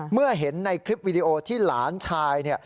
เมื่อเห็นในคลิปวิดีโอที่หลานชายเนี่ย